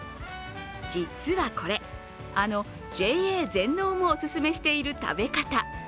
実はこれ、あのＪＡ全農もおすすめしている食べ方。